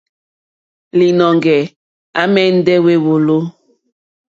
Līnɔ̄ŋgɛ̄ à mɛ̀ndɛ́ wé wòló.